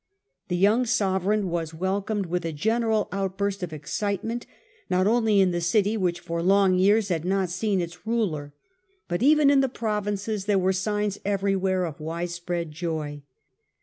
The young sove reign was welcomed with a general outburst of excitement. Not only in the city which for long years had not seen its ruler, but even in the provinces, there were signs every where of widespread joy.